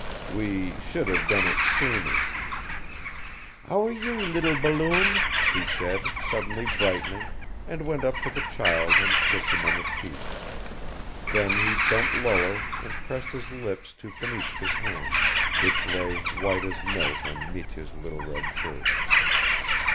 "We should have done it sooner ... How are you, little balloon?" he said, suddenly brightening, and went up to the child and kissed him on the cheek; then he bent lower and pressed his lips to Fenichka's hand, which lay white as milk on Mitya's little red shirt.